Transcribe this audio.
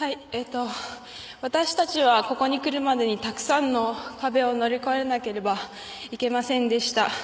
私たちはここにくるまでにたくさんの壁を乗り越えなければいけませんでした。